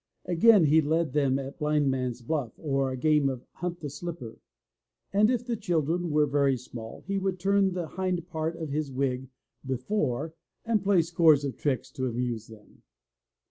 Again, he led them at blindman*s buff , or a game of hunt the^ slipper. And if the children were very small, he would turn the hind part of his wig before and play scores of tricks to amuse them.